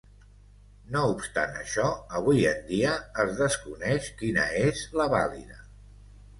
No obstant això, avui en dia es desconeix quina és la vàlida.